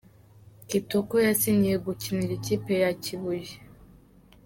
kitoko yasinyiye gukinira Ikipe ya kibuye